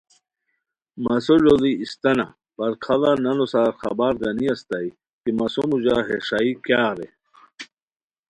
مسو لوڑی استانہ پراکھاڑہ نانو سار خبار گانی استائے کی مسو موژہ ہے ݰائی کیاغ رے